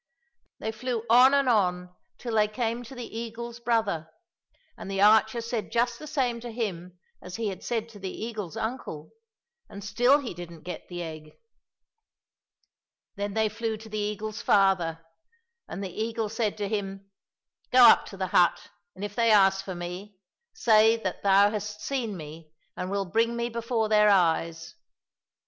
" They flew on and on till they came to the eagle's brother, and the archer said just the same to him as he had said to the eagle's uncle, and still he didn't get the egg. Then they flew to the eagle's father, and the eagle said to him, " Go up to the hut, and if they ask for me, say that thou hast seen me and will bring me before their eyes."